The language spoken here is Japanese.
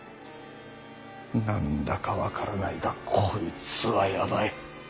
何だか分からないがこいつはヤバい！